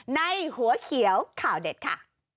ในหัวเขียวข่าวเด็ดค่ะ